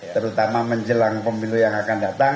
terutama menjelang pemilu yang akan datang